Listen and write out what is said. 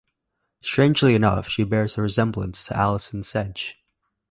Strangely enough, she bears a resemblance to Alison Sedge.